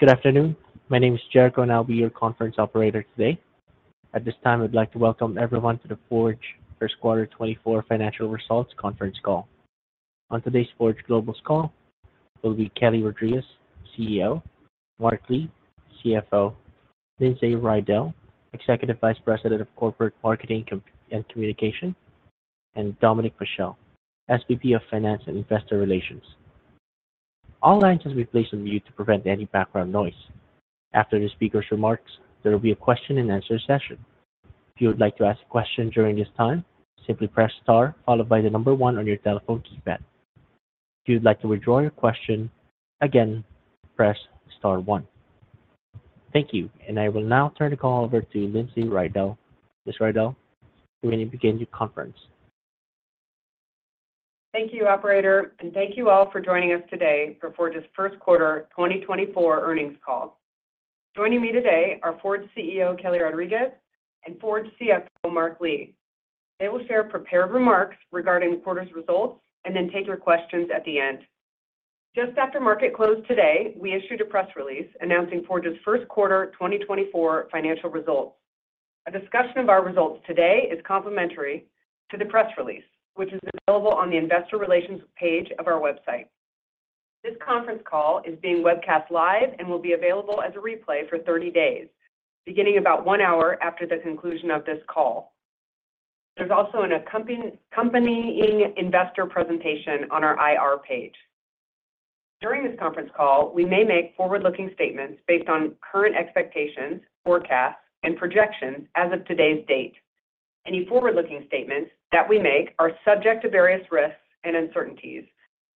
Good afternoon. My name is Jericho, and I'll be your conference operator today. At this time, I'd like to welcome everyone to the Forge first quarter 2024 financial results conference call. On today's Forge Global's call will be Kelly Rodriques, CEO; Mark Lee, CFO; Lindsay Riddell, Executive Vice President of Corporate Marketing and Communication; and Dominic Paschel, SVP of Finance and investor relations. All lines have been placed on mute to prevent any background noise. After the speaker's remarks, there will be a question-and-answer session. If you would like to ask a question during this time, simply press star followed by the number one on your telephone keypad. If you would like to withdraw your question, again, press star one. Thank you, and I will now turn the call over to Lindsay Riddell. Ms. Riddell, you may begin your conference. Thank you, operator, and thank you all for joining us today for Forge's first quarter 2024 earnings call. Joining me today are Forge CEO Kelly Rodriques and Forge CFO Mark Lee. They will share prepared remarks regarding the quarter's results and then take your questions at the end. Just after market closed today, we issued a press release announcing Forge's first quarter 2024 financial results. A discussion of our results today is complementary to the press release, which is available on the investor relations page of our website. This conference call is being webcast live and will be available as a replay for 30 days, beginning about one hour after the conclusion of this call. There's also an accompanying investor presentation on our IR page. During this conference call, we may make forward-looking statements based on current expectations, forecasts, and projections as of today's date. Any forward-looking statements that we make are subject to various risks and uncertainties,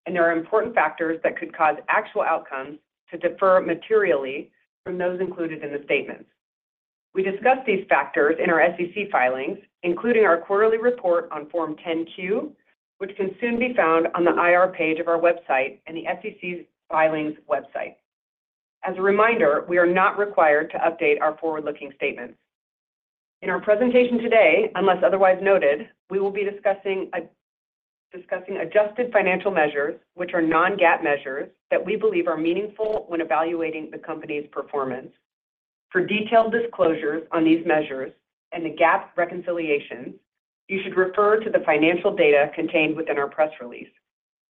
and there are important factors that could cause actual outcomes to differ materially from those included in the statements. We discuss these factors in our SEC filings, including our quarterly report on Form 10-Q, which can soon be found on the IR page of our website and the SEC's filings website. As a reminder, we are not required to update our forward-looking statements. In our presentation today, unless otherwise noted, we will be discussing adjusted financial measures, which are non-GAAP measures that we believe are meaningful when evaluating the company's performance. For detailed disclosures on these measures and the GAAP reconciliations, you should refer to the financial data contained within our press release,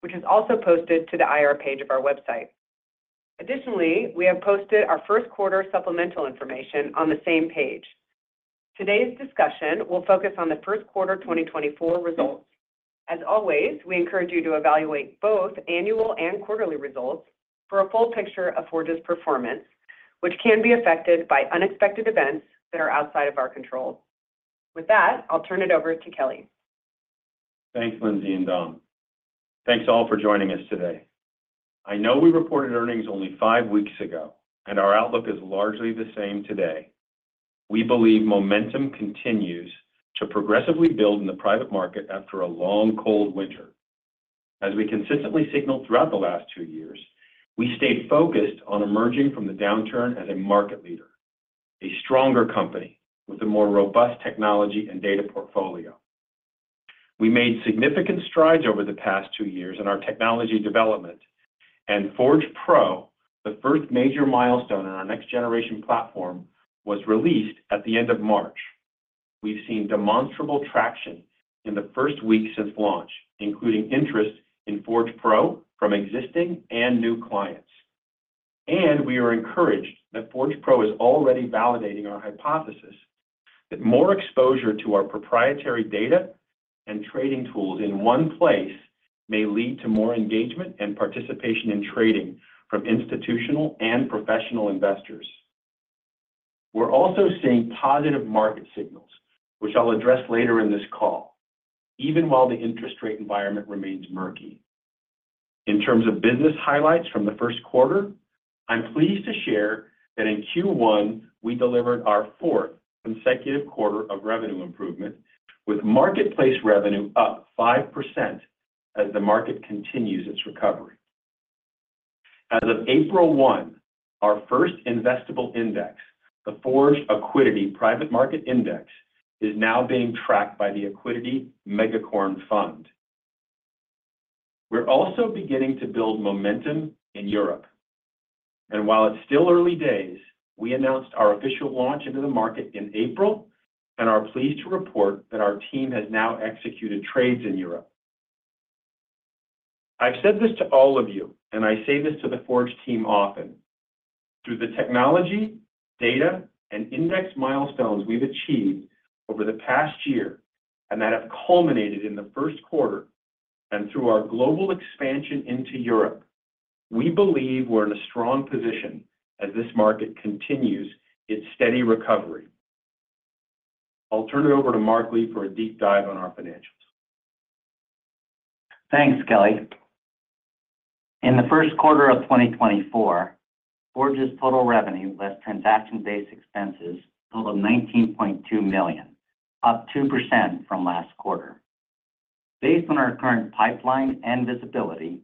which is also posted to the IR page of our website. Additionally, we have posted our First Quarter Supplemental Information on the same page. Today's discussion will focus on the first quarter 2024 results. As always, we encourage you to evaluate both annual and quarterly results for a full picture of Forge's performance, which can be affected by unexpected events that are outside of our control. With that, I'll turn it over to Kelly. Thanks, Lindsay and Dom. Thanks all for joining us today. I know we reported earnings only five weeks ago, and our outlook is largely the same today. We believe momentum continues to progressively build in the private market after a long, cold winter. As we consistently signaled throughout the last two years, we stayed focused on emerging from the downturn as a market leader, a stronger company with a more robust technology and data portfolio. We made significant strides over the past two years in our technology development, and Forge Pro, the first major milestone in our next-generation platform, was released at the end of March. We've seen demonstrable traction in the first week since launch, including interest in Forge Pro from existing and new clients. We are encouraged that Forge Pro is already validating our hypothesis that more exposure to our proprietary data and trading tools in one place may lead to more engagement and participation in trading from institutional and professional investors. We're also seeing positive market signals, which I'll address later in this call, even while the interest rate environment remains murky. In terms of business highlights from the first quarter, I'm pleased to share that in Q1, we delivered our fourth consecutive quarter of revenue improvement, with marketplace revenue up 5% as the market continues its recovery. As of April 1, our first investable index, the Forge Accuidity Private Market Index, is now being tracked by the Megacorn Fund. We're also beginning to build momentum in Europe. While it's still early days, we announced our official launch into the market in April and are pleased to report that our team has now executed trades in Europe. I've said this to all of you, and I say this to the Forge team often. Through the technology, data, and index milestones we've achieved over the past year and that have culminated in the first quarter and through our global expansion into Europe, we believe we're in a strong position as this market continues its steady recovery. I'll turn it over to Mark Lee for a deep dive on our financials. Thanks, Kelly. In the first quarter of 2024, Forge's total revenue less transaction-based expenses totaled $19.2 million, up 2% from last quarter. Based on our current pipeline and visibility,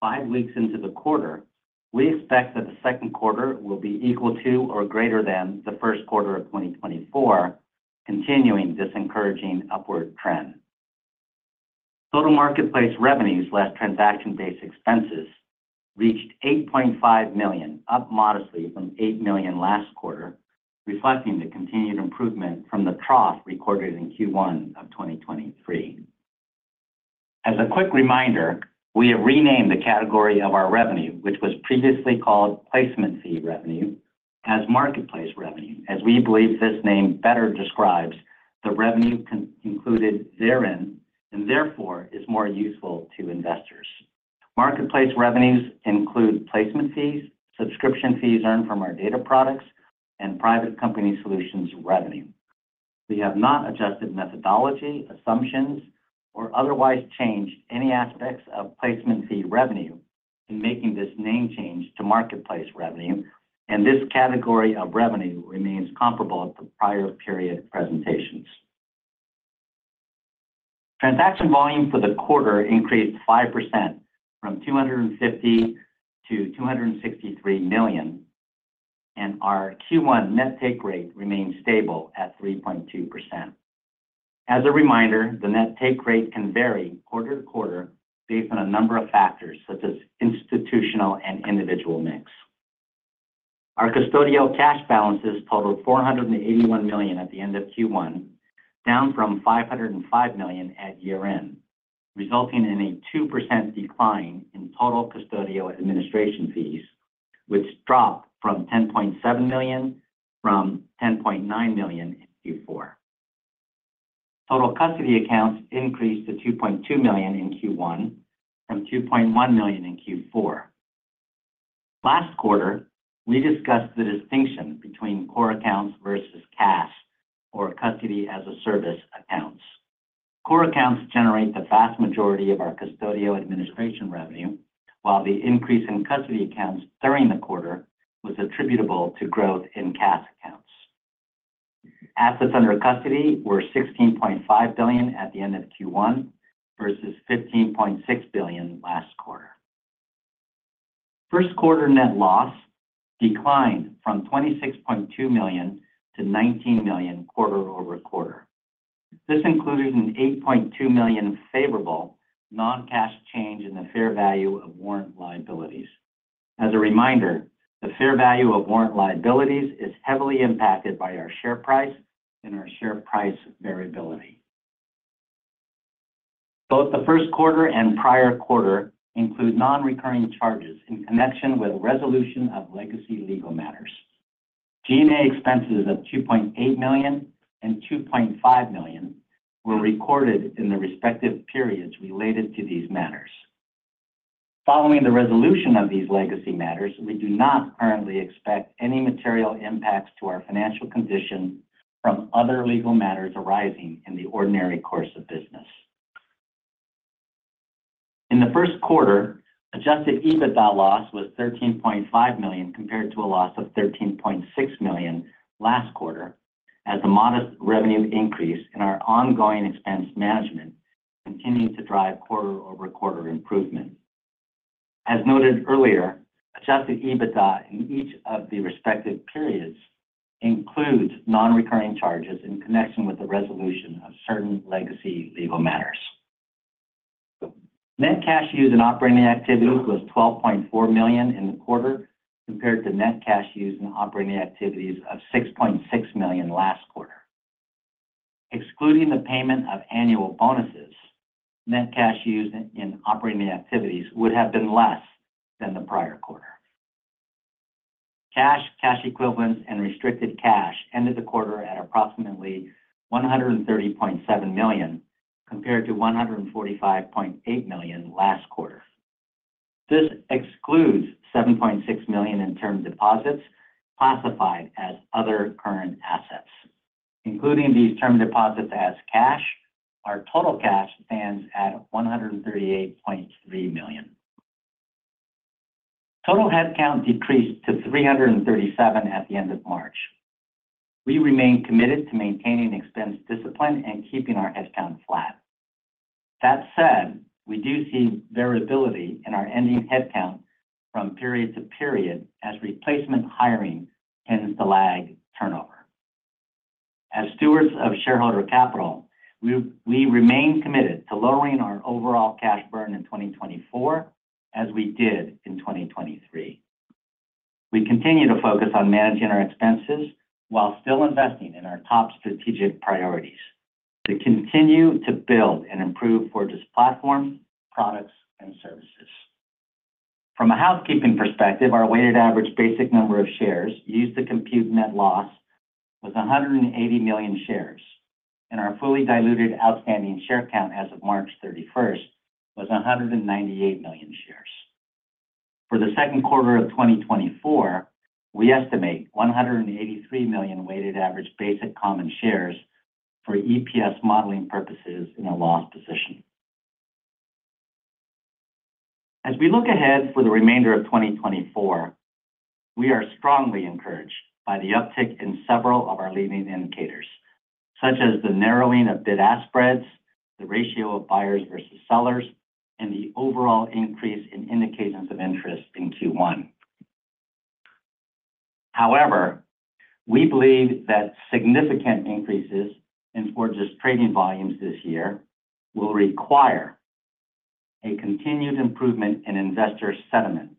five weeks into the quarter, we expect that the second quarter will be equal to or greater than the first quarter of 2024, continuing this encouraging upward trend. Total marketplace revenues less transaction-based expenses reached $8.5 million, up modestly from $8 million last quarter, reflecting the continued improvement from the trough recorded in Q1 of 2023. As a quick reminder, we have renamed the category of our revenue, which was previously called placement fee revenue, as marketplace revenue, as we believe this name better describes the revenue included therein and therefore is more useful to investors. Marketplace revenues include placement fees, subscription fees earned from our data products, and private company solutions revenue. We have not adjusted methodology, assumptions, or otherwise changed any aspects of placement fee revenue in making this name change to marketplace revenue, and this category of revenue remains comparable to prior period presentations. Transaction volume for the quarter increased 5% from $250 million to $263 million, and our Q1 net take rate remained stable at 3.2%. As a reminder, the net take rate can vary quarter-to-quarter based on a number of factors such as institutional and individual mix. Our custodial cash balances totaled $481 million at the end of Q1, down from $505 million at year-end, resulting in a 2% decline in total custodial administration fees, which dropped from $10.9 million to $10.7 million in Q4. Total custody accounts increased to 2.2 million in Q1 and 2.1 million in Q4. Last quarter, we discussed the distinction between core accounts versus cash, or custody-as-a-service accounts. Core accounts generate the vast majority of our custodial administration revenue, while the increase in custody accounts during the quarter was attributable to growth in cash accounts. Assets under custody were $16.5 billion at the end of Q1 versus $15.6 billion last quarter. First quarter net loss declined from $26.2 million to $19 million quarter over quarter. This included an $8.2 million favorable non-cash change in the fair value of warrant liabilities. As a reminder, the fair value of warrant liabilities is heavily impacted by our share price and our share price variability. Both the first quarter and prior quarter include non-recurring charges in connection with resolution of legacy legal matters. G&A expenses of $2.8 million and $2.5 million were recorded in the respective periods related to these matters. Following the resolution of these legacy matters, we do not currently expect any material impacts to our financial condition from other legal matters arising in the ordinary course of business. In the first quarter, Adjusted EBITDA loss was $13.5 million compared to a loss of $13.6 million last quarter, as a modest revenue increase in our ongoing expense management continues to drive quarter-over-quarter improvement. As noted earlier, Adjusted EBITDA in each of the respective periods includes non-recurring charges in connection with the resolution of certain legacy legal matters. Net cash used in operating activities was $12.4 million in the quarter compared to net cash used in operating activities of $6.6 million last quarter. Excluding the payment of annual bonuses, net cash used in operating activities would have been less than the prior quarter. Cash, cash equivalents, and restricted cash ended the quarter at approximately $130.7 million compared to $145.8 million last quarter. This excludes $7.6 million in term deposits classified as other current assets. Including these term deposits as cash, our total cash stands at $138.3 million. Total headcount decreased to 337 at the end of March. We remain committed to maintaining expense discipline and keeping our headcount flat. That said, we do see variability in our ending headcount from period to period as replacement hiring tends to lag turnover. As stewards of shareholder capital, we remain committed to lowering our overall cash burn in 2024 as we did in 2023. We continue to focus on managing our expenses while still investing in our top strategic priorities to continue to build and improve Forge's platform, products, and services. From a housekeeping perspective, our weighted average basic number of shares used to compute net loss was 180 million shares, and our fully diluted outstanding share count as of March 31st was 198 million shares. For the second quarter of 2024, we estimate 183 million weighted average basic common shares for EPS modeling purposes in a loss position. As we look ahead for the remainder of 2024, we are strongly encouraged by the uptick in several of our leading indicators, such as the narrowing of bid-ask spreads, the ratio of buyers versus sellers, and the overall increase in indications of interest in Q1. However, we believe that significant increases in Forge's trading volumes this year will require a continued improvement in investor sentiment,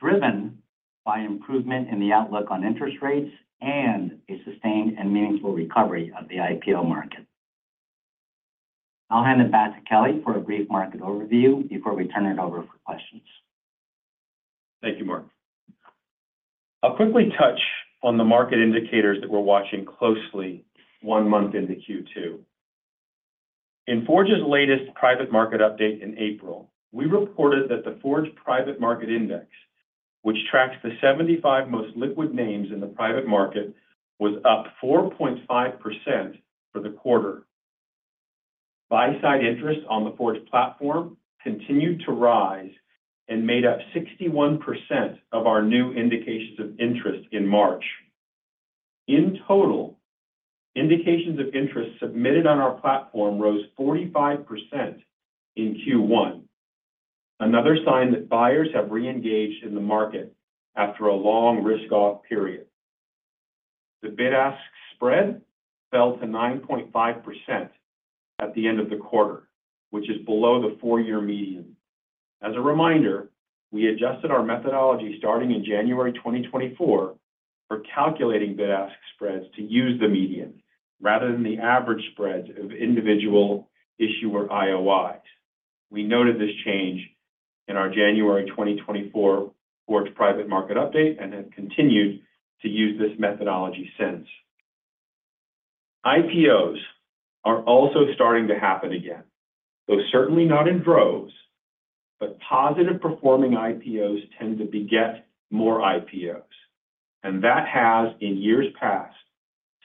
driven by improvement in the outlook on interest rates and a sustained and meaningful recovery of the IPO market. I'll hand it back to Kelly for a brief market overview before we turn it over for questions. Thank you, Mark. I'll quickly touch on the market indicators that we're watching closely one month into Q2. In Forge's latest private market update in April, we reported that the Forge Private Market Index, which tracks the 75 most liquid names in the private market, was up 4.5% for the quarter. Buy-side interest on the Forge platform continued to rise and made up 61% of our new indications of interest in March. In total, indications of interest submitted on our platform rose 45% in Q1, another sign that buyers have reengaged in the market after a long risk-off period. The bid-ask spread fell to 9.5% at the end of the quarter, which is below the four-year median. As a reminder, we adjusted our methodology starting in January 2024 for calculating bid-ask spreads to use the median rather than the average spreads of individual issuer IOIs. We noted this change in our January 2024 Forge Private Market update and have continued to use this methodology since. IPOs are also starting to happen again, though certainly not in droves. But positive-performing IPOs tend to beget more IPOs, and that has, in years past,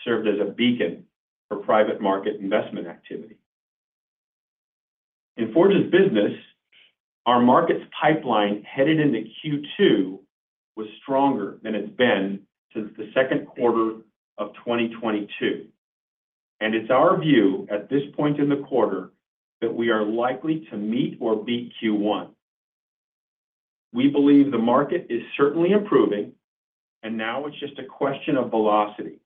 served as a beacon for private market investment activity. In Forge's business, our market's pipeline headed into Q2 was stronger than it's been since the second quarter of 2022. And it's our view at this point in the quarter that we are likely to meet or beat Q1. We believe the market is certainly improving, and now it's just a question of velocity.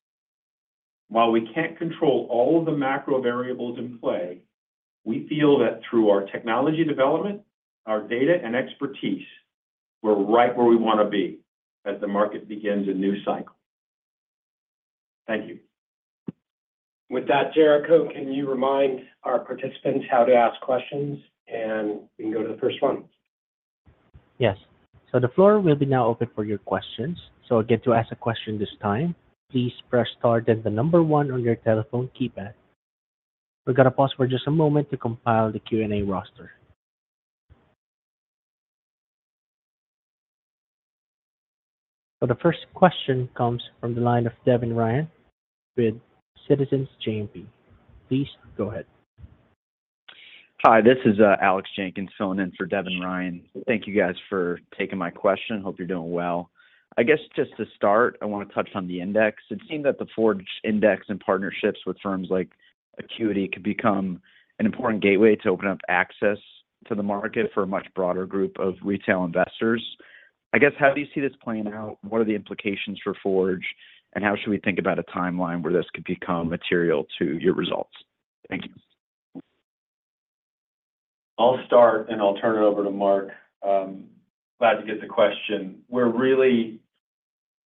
While we can't control all of the macro variables in play, we feel that through our technology development, our data, and expertise, we're right where we want to be as the market begins a new cycle. Thank you. With that, Jericho, can you remind our participants how to ask questions, and we can go to the first one? Yes. So the floor will be now open for your questions. So again, to ask a question this time, please press star then the number one on your telephone keypad. We're going to pause for just a moment to compile the Q&A roster. So the first question comes from the line of Devin Ryan with Citizens JMP. Please go ahead. Hi. This is Alex Jenkins, phoning in for Devin Ryan. Thank you guys for taking my question. Hope you're doing well. I guess just to start, I want to touch on the index. It seemed that the Forge index and partnerships with firms like Accuidity could become an important gateway to open up access to the market for a much broader group of retail investors. I guess how do you see this playing out? What are the implications for Forge, and how should we think about a timeline where this could become material to your results? Thank you. I'll start, and I'll turn it over to Mark. Glad to get the question. We're really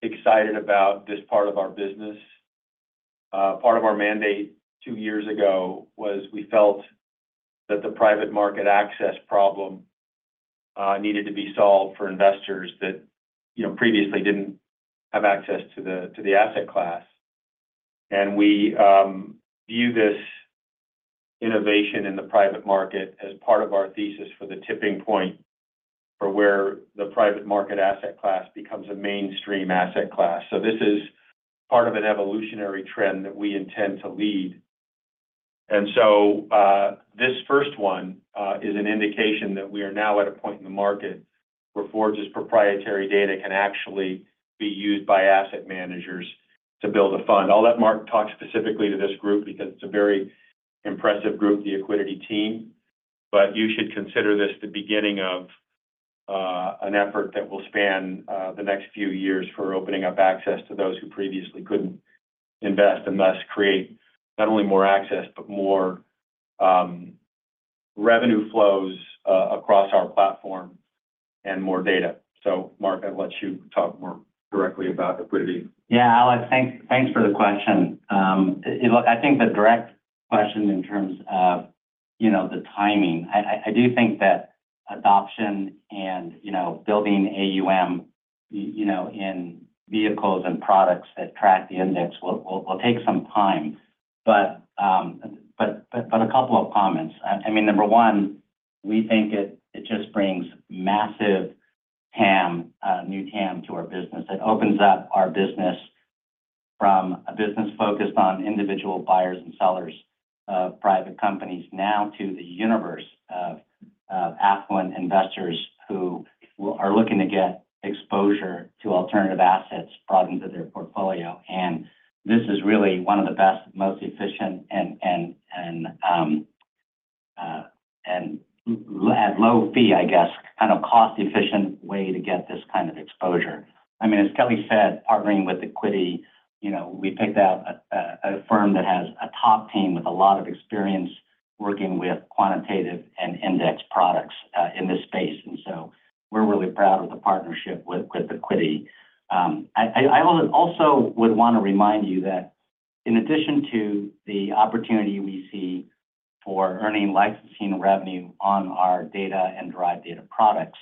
excited about this part of our business. Part of our mandate two years ago was we felt that the private market access problem needed to be solved for investors that previously didn't have access to the asset class. We view this innovation in the private market as part of our thesis for the tipping point for where the private market asset class becomes a mainstream asset class. This is part of an evolutionary trend that we intend to lead. This first one is an indication that we are now at a point in the market where Forge's proprietary data can actually be used by asset managers to build a fund. I'll let Mark talk specifically to this group because it's a very impressive group, the Accuidity team. But you should consider this the beginning of an effort that will span the next few years for opening up access to those who previously couldn't invest and thus create not only more access but more revenue flows across our platform and more data. So, Mark, I'll let you talk more directly about Accuidity. Yeah, Alex, thanks for the question. I think the direct question in terms of the timing, I do think that adoption and building AUM in vehicles and products that track the index will take some time. But a couple of comments. I mean, number one, we think it just brings massive new TAM to our business. It opens up our business from a business focused on individual buyers and sellers of private companies now to the universe of affluent investors who are looking to get exposure to alternative assets brought into their portfolio. And this is really one of the best, most efficient, and at low fee, I guess, kind of cost-efficient way to get this kind of exposure. I mean, as Kelly said, partnering with Accuidity, we picked out a firm that has a top team with a lot of experience working with quantitative and index products in this space. And so we're really proud of the partnership with Accuidity. I also would want to remind you that in addition to the opportunity we see for earning licensing revenue on our data and derived data products,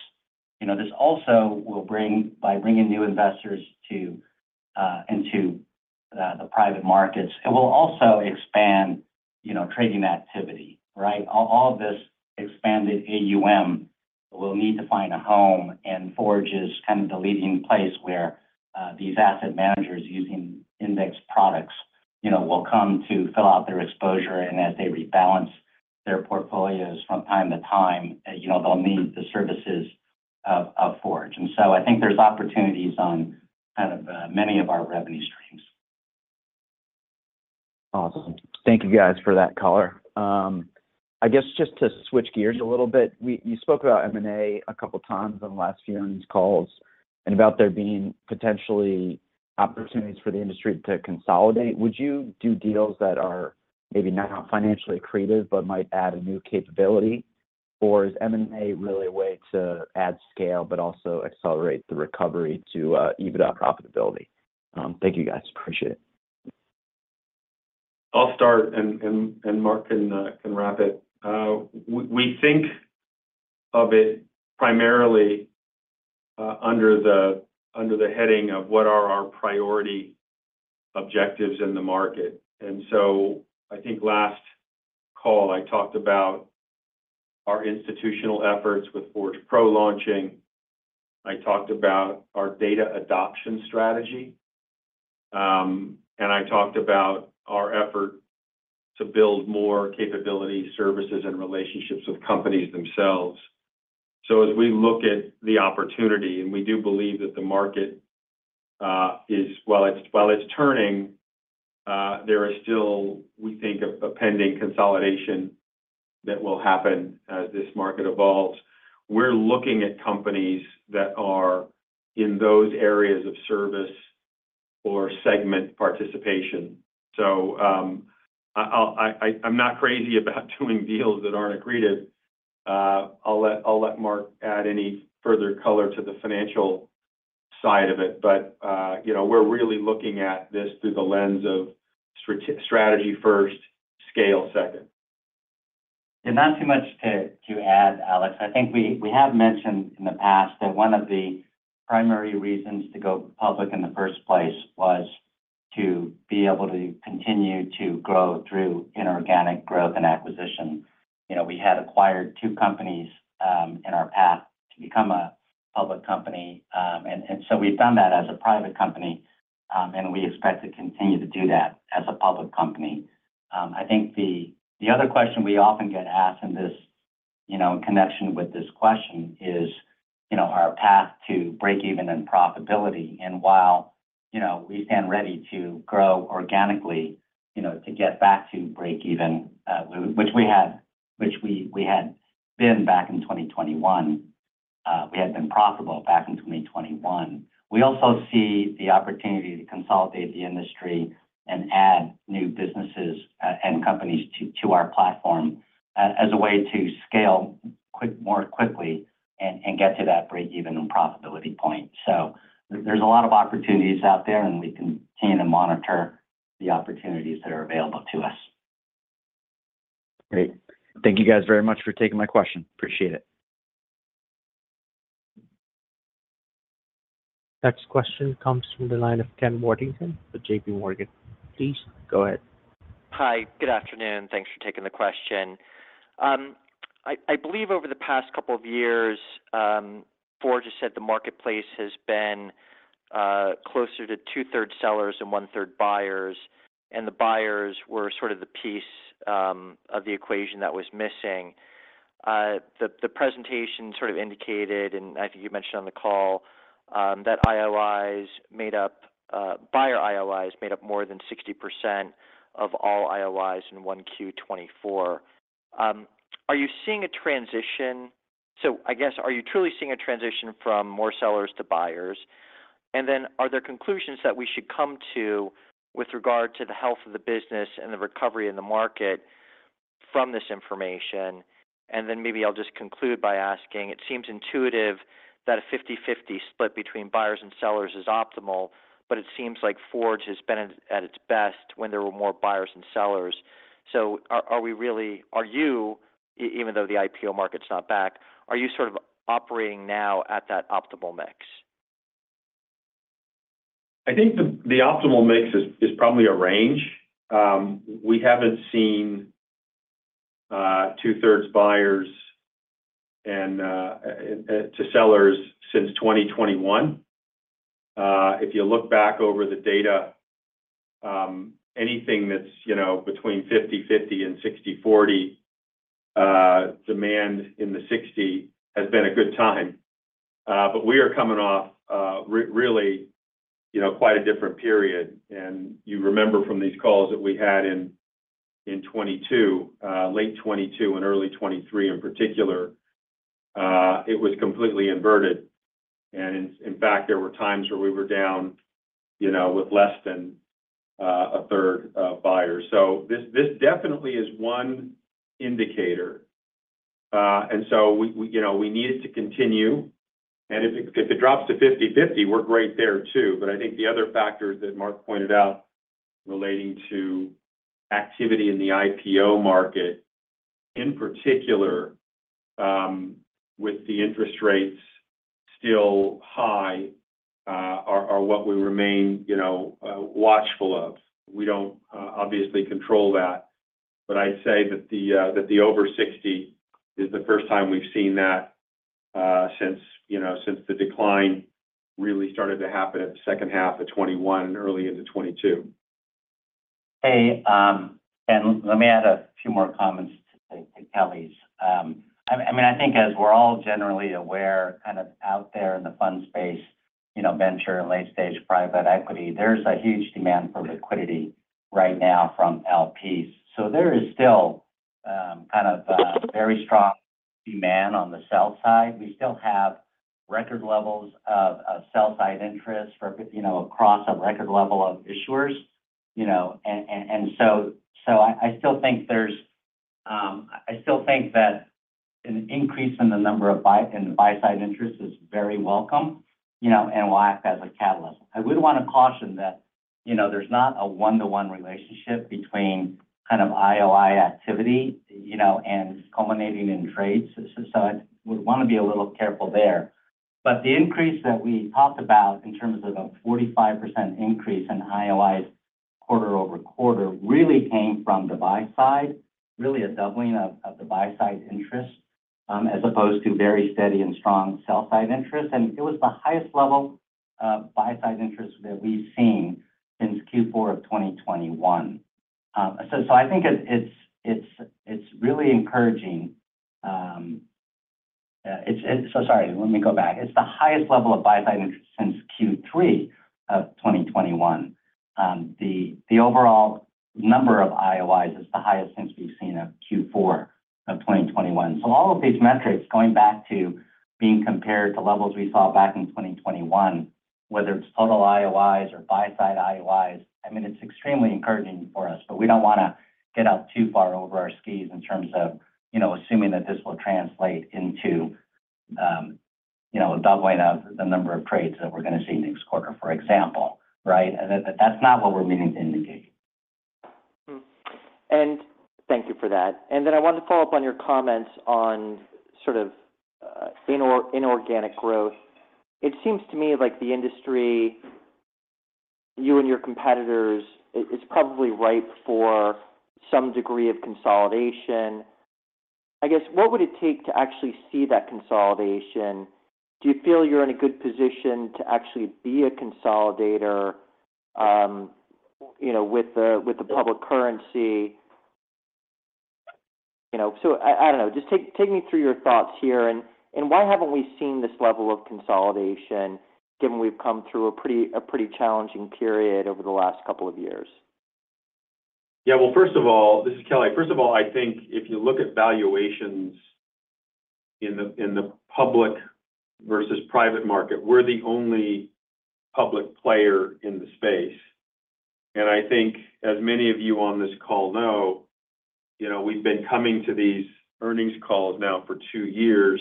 this also will bring by bringing new investors into the private markets, it will also expand trading activity, right? All of this expanded AUM will need to find a home. And Forge is kind of the leading place where these asset managers using index products will come to fill out their exposure. And as they rebalance their portfolios from time to time, they'll need the services of Forge. And so I think there's opportunities on kind of many of our revenue streams. Awesome. Thank you guys for that call, sir. I guess just to switch gears a little bit, you spoke about M&A a couple of times on the last few earnings calls and about there being potentially opportunities for the industry to consolidate. Would you do deals that are maybe not financially creative but might add a new capability? Or is M&A really a way to add scale but also accelerate the recovery to EBITDA profitability? Thank you guys. Appreciate it. I'll start, and Mark can wrap it. We think of it primarily under the heading of what are our priority objectives in the market. And so I think last call, I talked about our institutional efforts with Forge Pro launching. I talked about our data adoption strategy. And I talked about our effort to build more capabilities, services, and relationships with companies themselves. So as we look at the opportunity, and we do believe that the market is, while it's turning, there is still, we think, a pending consolidation that will happen as this market evolves. We're looking at companies that are in those areas of service or segment participation. So I'm not crazy about doing deals that aren't accretive. I'll let Mark add any further color to the financial side of it. But we're really looking at this through the lens of strategy first, scale second. Not too much to add, Alex. I think we have mentioned in the past that one of the primary reasons to go public in the first place was to be able to continue to grow through inorganic growth and acquisition. We had acquired two companies in our path to become a public company. And so we've done that as a private company, and we expect to continue to do that as a public company. I think the other question we often get asked in connection with this question is our path to break-even and profitability. While we stand ready to grow organically to get back to break-even, which we had been back in 2021, we had been profitable back in 2021, we also see the opportunity to consolidate the industry and add new businesses and companies to our platform as a way to scale more quickly and get to that break-even and profitability point. So there's a lot of opportunities out there, and we continue to monitor the opportunities that are available to us. Great. Thank you guys very much for taking my question. Appreciate it. Next question comes from the line of Ken Worthington with J.P. Morgan. Please go ahead. Hi. Good afternoon. Thanks for taking the question. I believe over the past couple of years, Forge has said the marketplace has been closer to two-thirds sellers and one-third buyers, and the buyers were sort of the piece of the equation that was missing. The presentation sort of indicated, and I think you mentioned on the call, that buyer IOIs made up more than 60% of all IOIs in 1Q2024. Are you seeing a transition? So I guess, are you truly seeing a transition from more sellers to buyers? And then are there conclusions that we should come to with regard to the health of the business and the recovery in the market from this information? And then maybe I'll just conclude by asking, it seems intuitive that a 50/50 split between buyers and sellers is optimal, but it seems like Forge has been at its best when there were more buyers and sellers. So are you, even though the IPO market's not back, are you sort of operating now at that optimal mix? I think the optimal mix is probably a range. We haven't seen two-thirds buyers to sellers since 2021. If you look back over the data, anything that's between 50/50 and 60/40, demand in the 60 has been a good time. We are coming off, really, quite a different period. You remember from these calls that we had in late 2022 and early 2023 in particular, it was completely inverted. In fact, there were times where we were down with less than a third of buyers. This definitely is one indicator. So we needed to continue. If it drops to 50/50, we're great there too. I think the other factors that Mark pointed out relating to activity in the IPO market, in particular with the interest rates still high, are what we remain watchful of. We don't obviously control that. I'd say that the over 60 is the first time we've seen that since the decline really started to happen at the second half of 2021, early into 2022. Hey, Ken, let me add a few more comments to Kelly's. I mean, I think as we're all generally aware kind of out there in the fund space, venture and late-stage private equity, there's a huge demand for liquidity right now from LPs. So there is still kind of very strong demand on the sell side. We still have record levels of sell-side interest across a record level of issuers. And so I still think there's I still think that an increase in the number of buy-side interest is very welcome and will act as a catalyst. I would want to caution that there's not a one-to-one relationship between kind of IOI activity and culminating in trades. So I would want to be a little careful there. But the increase that we talked about in terms of a 45% increase in IOIs quarter-over-quarter really came from the buy side, really a doubling of the buy-side interest as opposed to very steady and strong sell-side interest. And it was the highest level of buy-side interest that we've seen since Q4 of 2021. So I think it's really encouraging. So sorry, let me go back. It's the highest level of buy-side interest since Q3 of 2021. The overall number of IOIs is the highest since we've seen of Q4 of 2021. So all of these metrics going back to being compared to levels we saw back in 2021, whether it's total IOIs or buy-side IOIs, I mean, it's extremely encouraging for us. But we don't want to get up too far over our skis in terms of assuming that this will translate into a doubling of the number of trades that we're going to see next quarter, for example, right? That's not what we're meaning to indicate. And thank you for that. And then I wanted to follow up on your comments on sort of inorganic growth. It seems to me like the industry, you and your competitors, is probably ripe for some degree of consolidation. I guess, what would it take to actually see that consolidation? Do you feel you're in a good position to actually be a consolidator with the public currency? So I don't know. Just take me through your thoughts here. And why haven't we seen this level of consolidation given we've come through a pretty challenging period over the last couple of years? Yeah. Well, first of all, this is Kelly. First of all, I think if you look at valuations in the public versus private market, we're the only public player in the space. I think as many of you on this call know, we've been coming to these earnings calls now for two years.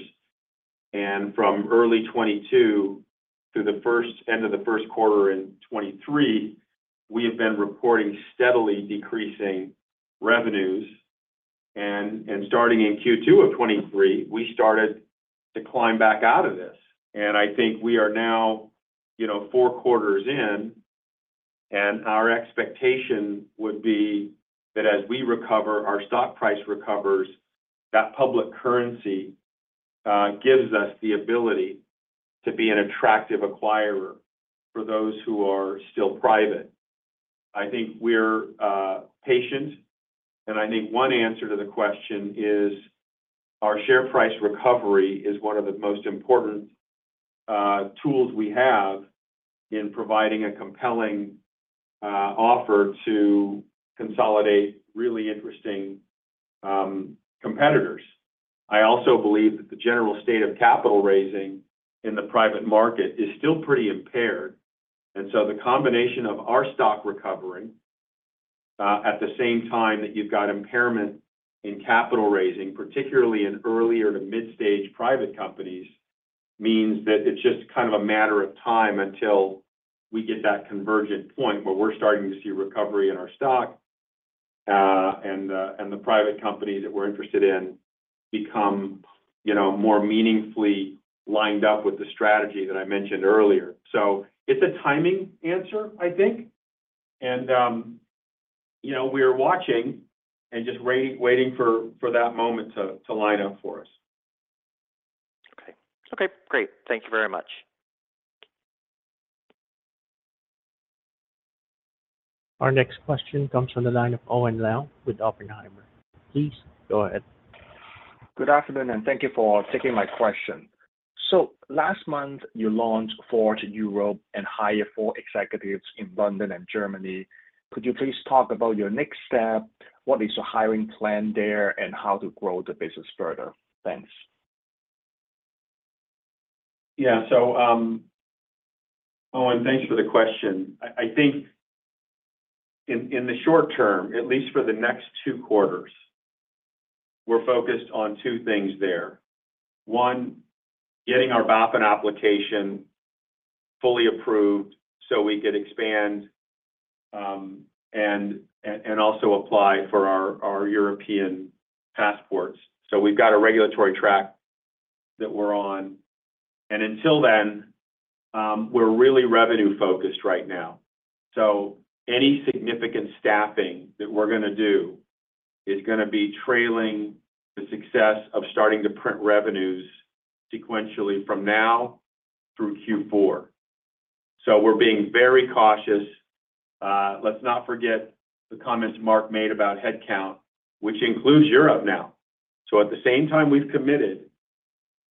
From early 2022 through the end of the first quarter in 2023, we have been reporting steadily decreasing revenues. Starting in Q2 of 2023, we started to climb back out of this. I think we are now 4 quarters in. Our expectation would be that as we recover, our stock price recovers, that public currency gives us the ability to be an attractive acquirer for those who are still private. I think we're patient. I think one answer to the question is our share price recovery is one of the most important tools we have in providing a compelling offer to consolidate really interesting competitors. I also believe that the general state of capital raising in the private market is still pretty impaired. So the combination of our stock recovering at the same time that you've got impairment in capital raising, particularly in earlier to mid-stage private companies, means that it's just kind of a matter of time until we get that convergent point where we're starting to see recovery in our stock and the private companies that we're interested in become more meaningfully lined up with the strategy that I mentioned earlier. So it's a timing answer, I think. We're watching and just waiting for that moment to line up for us. Okay. Okay. Great. Thank you very much. Our next question comes from the line of Owen Lau with Oppenheimer. Please go ahead. Good afternoon, and thank you for taking my question. So last month, you launched Forge Europe and hired four executives in London and Germany. Could you please talk about your next step, what is your hiring plan there, and how to grow the business further? Thanks. Yeah. So Owen, thanks for the question. I think in the short term, at least for the next two quarters, we're focused on two things there. One, getting our BaFin application fully approved so we could expand and also apply for our European passports. So we've got a regulatory track that we're on. And until then, we're really revenue-focused right now. So any significant staffing that we're going to do is going to be trailing the success of starting to print revenues sequentially from now through Q4. So we're being very cautious. Let's not forget the comments Mark made about headcount, which includes Europe now. So at the same time we've committed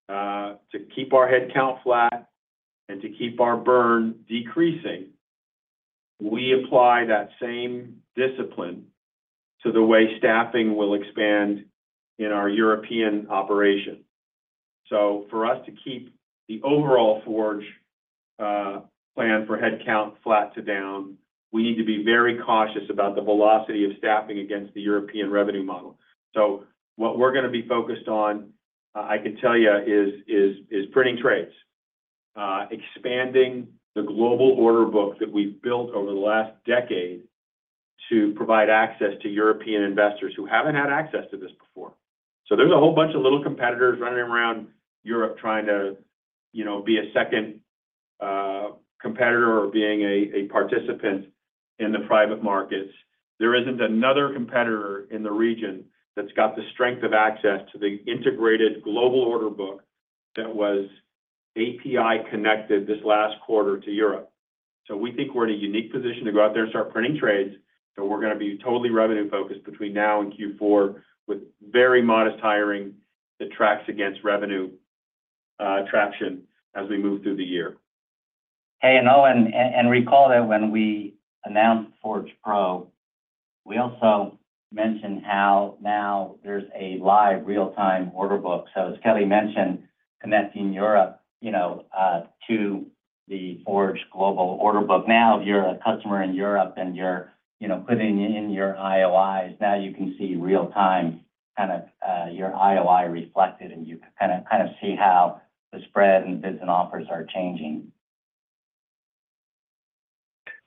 to keep our headcount flat and to keep our burn decreasing, we apply that same discipline to the way staffing will expand in our European operation. So for us to keep the overall Forge plan for headcount flat to down, we need to be very cautious about the velocity of staffing against the European revenue model. So what we're going to be focused on, I can tell you, is printing trades, expanding the global order book that we've built over the last decade to provide access to European investors who haven't had access to this before. So there's a whole bunch of little competitors running around Europe trying to be a second competitor or being a participant in the private markets. There isn't another competitor in the region that's got the strength of access to the integrated global order book that was API-connected this last quarter to Europe. So we think we're in a unique position to go out there and start printing trades. We're going to be totally revenue-focused between now and Q4 with very modest hiring that tracks against revenue traction as we move through the year. Hey, Owen, recall that when we announced Forge Pro, we also mentioned how now there's a live real-time order book. So as Kelly mentioned, connecting Europe to the Forge global order book. Now, if you're a customer in Europe and you're putting in your IOIs, now you can see real-time kind of your IOI reflected, and you kind of see how the spread and bids and offers are changing.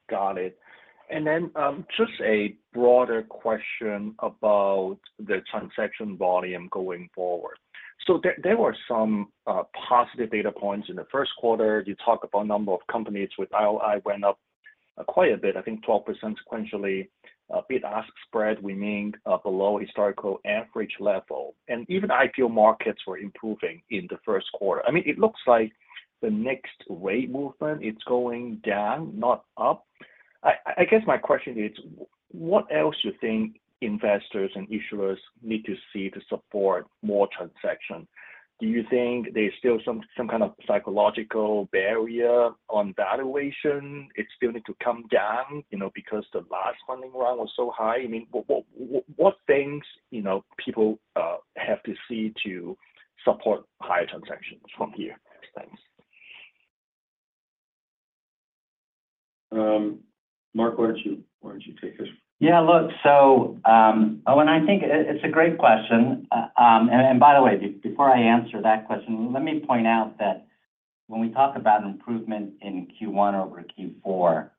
Got it. Then just a broader question about the transaction volume going forward. There were some positive data points in the first quarter. You talked about a number of companies with IOI went up quite a bit, I think 12% sequentially. Bid-ask spread, we mean below historical average level. Even IPO markets were improving in the first quarter. I mean, it looks like the next rate movement, it's going down, not up. I guess my question is, what else do you think investors and issuers need to see to support more transaction? Do you think there's still some kind of psychological barrier on valuation? It still needs to come down because the last funding round was so high? I mean, what things people have to see to support higher transactions from here? Thanks. Mark, why don't you take this? Yeah. Look, so Owen, I think it's a great question. And by the way, before I answer that question, let me point out that when we talk about improvement in Q1 over Q4,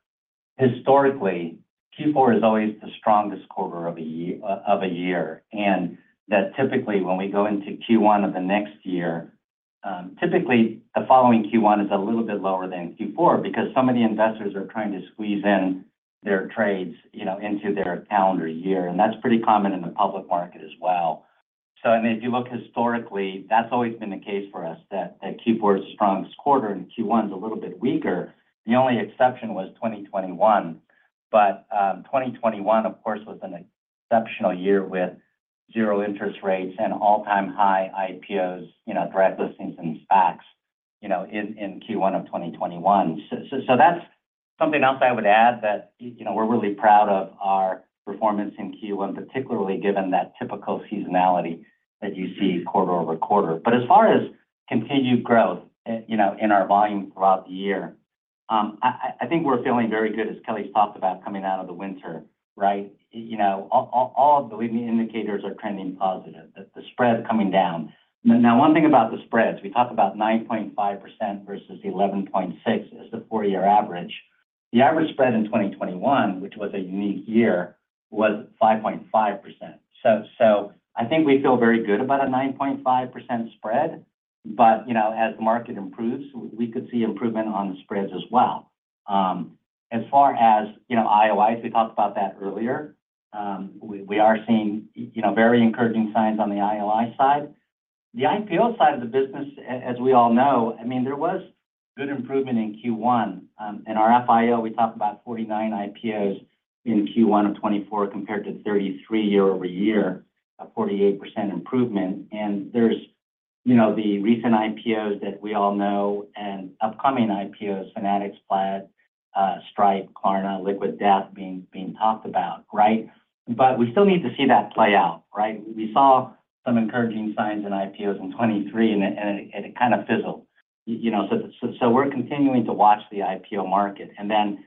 historically, Q4 is always the strongest quarter of a year. And that typically, when we go into Q1 of the next year, typically, the following Q1 is a little bit lower than Q4 because some of the investors are trying to squeeze in their trades into their calendar year. And that's pretty common in the public market as well. So I mean, if you look historically, that's always been the case for us, that Q4 is the strongest quarter and Q1 is a little bit weaker. The only exception was 2021. But 2021, of course, was an exceptional year with zero interest rates and all-time high IPOs, direct listings, and SPACs in Q1 of 2021. So that's something else I would add that we're really proud of our performance in Q1, particularly given that typical seasonality that you see quarter-over-quarter. But as far as continued growth in our volume throughout the year, I think we're feeling very good, as Kelly's talked about, coming out of the winter, right? All of the leading indicators are trending positive, the spread coming down. Now, one thing about the spreads, we talked about 9.5% versus 11.6% as the four-year average. The average spread in 2021, which was a unique year, was 5.5%. So I think we feel very good about a 9.5% spread. But as the market improves, we could see improvement on the spreads as well. As far as IOIs, we talked about that earlier. We are seeing very encouraging signs on the IOI side. The IPO side of the business, as we all know, I mean, there was good improvement in Q1. In our 10-Q, we talked about 49 IPOs in Q1 of 2024 compared to 33 year-over-year, a 48% improvement. And there's the recent IPOs that we all know and upcoming IPOs, Fanatics, Plaid, Stripe, Klarna, Liquid Death being talked about, right? But we still need to see that play out, right? We saw some encouraging signs in IPOs in 2023, and it kind of fizzled. So we're continuing to watch the IPO market. And then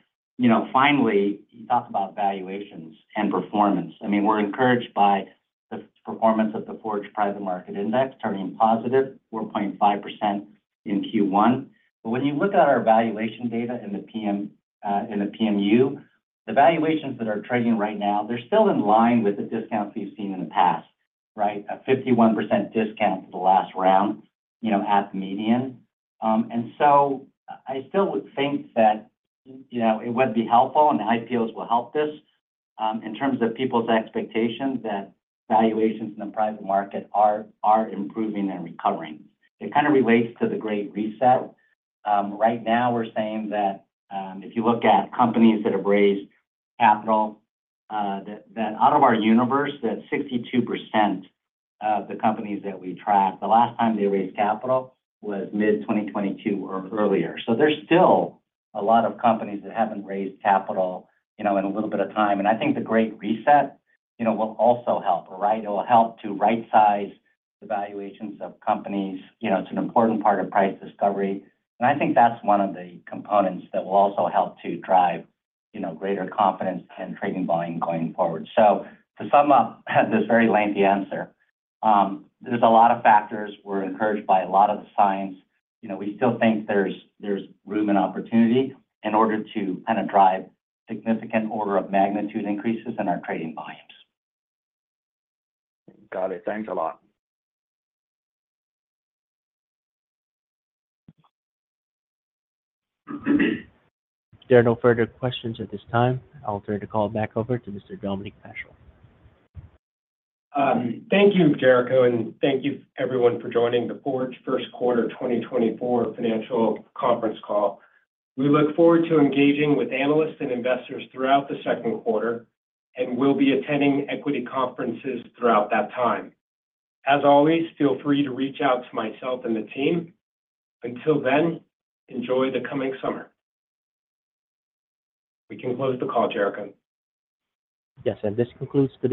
finally, you talked about valuations and performance. I mean, we're encouraged by the performance of the Forge Private Market Index turning positive, 4.5% in Q1. But when you look at our valuation data in the PMU, the valuations that are trading right now, they're still in line with the discounts we've seen in the past, right? A 51% discount to the last round at the median. And so I still would think that it would be helpful, and the IPOs will help this in terms of people's expectations that valuations in the private market are improving and recovering. It kind of relates to the Great Reset. Right now, we're saying that if you look at companies that have raised capital, that out of our universe, that 62% of the companies that we track, the last time they raised capital was mid-2022 or earlier. So there's still a lot of companies that haven't raised capital in a little bit of time. And I think the Great Reset will also help, right? It will help to right-size the valuations of companies. It's an important part of price discovery. I think that's one of the components that will also help to drive greater confidence and trading volume going forward. To sum up this very lengthy answer, there's a lot of factors. We're encouraged by a lot of the signs. We still think there's room and opportunity in order to kind of drive significant order of magnitude increases in our trading volumes. Got it. Thanks a lot. There are no further questions at this time. I'll turn the call back over to Mr. Dominic Paschel. Thank you, Jericho. Thank you, everyone, for joining the Forge first quarter 2024 financial conference call. We look forward to engaging with analysts and investors throughout the second quarter and will be attending equity conferences throughout that time. As always, feel free to reach out to myself and the team. Until then, enjoy the coming summer. We can close the call, Jericho. Yes. This concludes the.